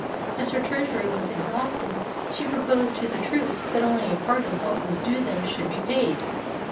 As her treasury was exhausted, she proposed to the troops that only a part of what was due them should be paid.